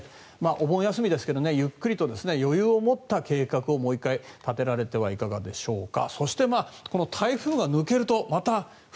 お盆休みですけどゆっくりと余裕を持った計画をもう１回立てられてはいかがでしょうか。